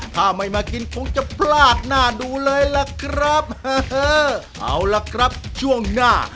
ถ้าไม่มากินคงจะพลาดหน้าดูเลยล่ะครับเอาล่ะครับช่วงหน้า